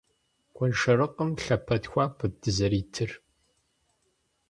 Гуэншэрыкъым лъэпэд хуабэт дызэритыр.